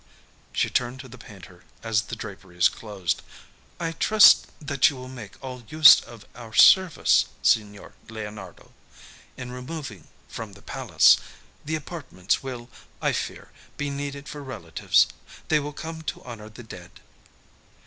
She turned to the painter as the draperies closed. "I trust that you will make all use of our service, Signor Leonardo, in removing from the palace. The apartments will, I fear, be needed for relatives. They will come to honor the dead."